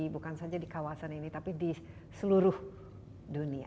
bukan saja di kawasan ini tapi di seluruh dunia